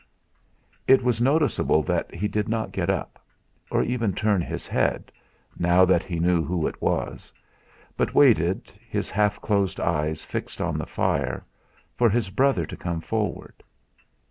It was noticeable that he did not get up, or even turn his head, now that he knew who it was, but waited, his half closed eyes fixed on the fire, for his brother to come forward.